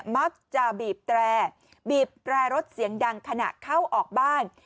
มักจะบีบแตรบีบแตรรถเสียงดังขณะเข้าออกบ้าน